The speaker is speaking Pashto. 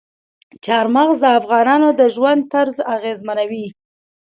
چار مغز د افغانانو د ژوند طرز اغېزمنوي.